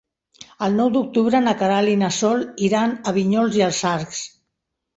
El nou d'octubre na Queralt i na Sol iran a Vinyols i els Arcs.